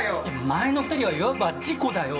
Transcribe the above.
前の２人はいわば事故だよ。